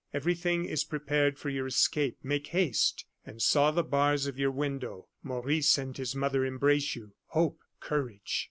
Everything is prepared for your escape. Make haste and saw the bars of your window. Maurice and his mother embrace you. Hope, courage!"